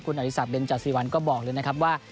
คุณอธิษฐรรมดินจัดสีวันก็บอกเลยนะครับว่า